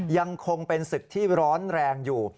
ยังคงเป็นศึกที่ร้อนแรงอยู่